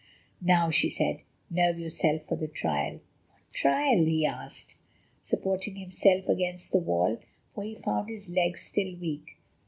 "Now," she said, "nerve yourself for the trial." "What trial?" he asked, supporting himself against the wall, for he found his legs still weak.